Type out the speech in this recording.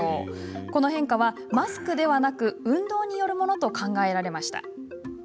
この変化はマスクではなく運動によるものと考えられました。